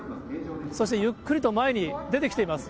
そしてゆっくりと前に出てきています。